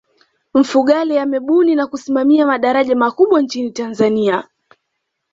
mfugale amebuni na kusimamia madaraja makubwa nchini tanzania